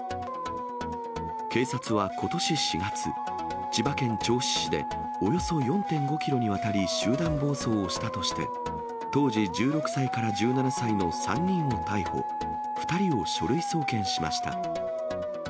警察はことし４月、千葉県銚子市でおよそ４．５キロにわたり集団暴走をしたとして、当時１６歳から１７歳の３人を逮捕、２人を書類送検しました。